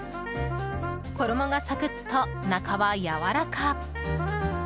衣がサクッと、中はやわらか。